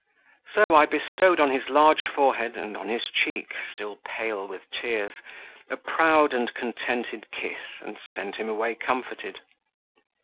So I bestowed on his large forehead, and on his cheek still pale with tears a proud and contented kiss, and sent him away comforted.